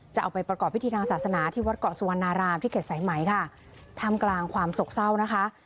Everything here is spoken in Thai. จะเอาไปประกอบพิธีทางศาสนาที่วัดเกาะสุวรรณารามที่เขตสายไหมค่ะท่ามกลางความโศกเศร้านะคะ